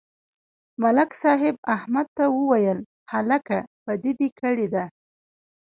ملک صاحب احمد ته وویل: هلکه، بدي دې کړې ده.